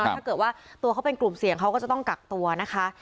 ถ้าเกิดว่าตัวเขาเป็นกลุ่มเสี่ยงเขาก็จะต้องกักตัวนะคะ